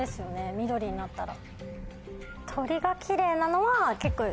緑になったら。